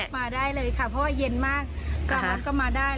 มาได้เลยค่ะเพราะว่าเย็นมากก็มาได้